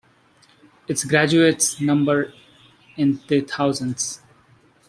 Its graduates number in the thousands.